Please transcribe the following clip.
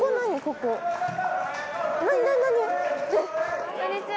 こんにちは！